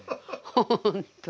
本当。